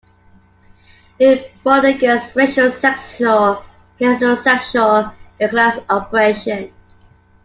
It fought against racial, sexual, heterosexual, and class oppression.